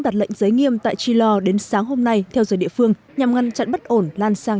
đặt lệnh giới nghiêm tại chilor đến sáng hôm nay theo giới địa phương nhằm ngăn chặn bất ổn lan sang